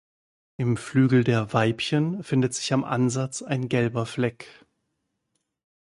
Im Flügel der Weibchen findet sich am Ansatz ein gelber Fleck.